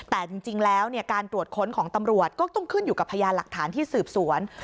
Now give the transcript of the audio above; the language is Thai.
แต่จริงแล้วการตรวจค้นของตำรวจก็ต้องขึ้นอยู่กับพยานหลักฐานที่สืบสวน